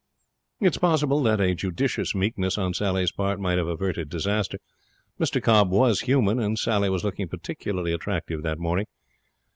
It is possible that a judicious meekness on Sally's part might have averted disaster. Mr Cobb was human, and Sally was looking particularly attractive that morning.